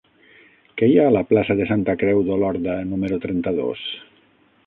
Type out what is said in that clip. Què hi ha a la plaça de Santa Creu d'Olorda número trenta-dos?